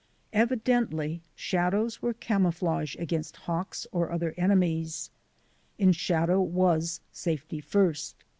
Evidently shadows were camouflage against hawks or other enemies; in shadow was "safety first."